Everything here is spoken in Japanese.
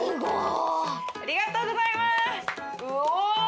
ありがとうございますうお。